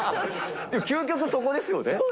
究極、そこですよね。